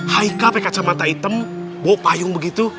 haika pakai kacamata hitam bawa payung begitu